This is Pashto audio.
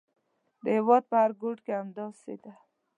د هېواد په هر ګوټ کې همداسې ده.